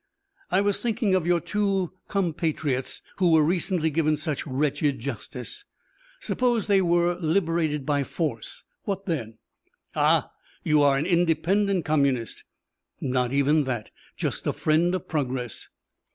"I was thinking of your two compatriots who were recently given such wretched justice. Suppose they were liberated by force. What then?" "Ah! You are an independent communist?" "Not even that. Just a friend of progress."